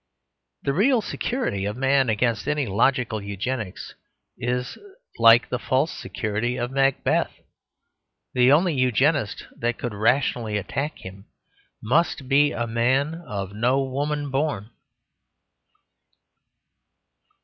The real security of man against any logical Eugenics is like the false security of Macbeth. The only Eugenist that could rationally attack him must be a man of no woman born.